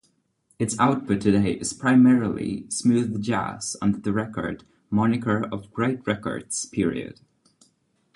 Its output today is primarily smooth jazz under the moniker of Great Records, Period.